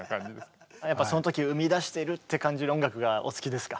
やっぱその時生み出してるって感じる音楽がお好きですか？